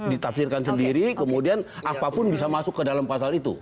ditafsirkan sendiri kemudian apapun bisa masuk ke dalam pasal itu